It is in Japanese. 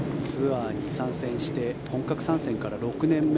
ツアーに参戦して本格参戦から６年目。